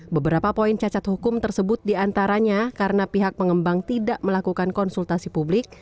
beberapa poin cacat hukum tersebut diantaranya karena pihak pengembang tidak melakukan konsultasi publik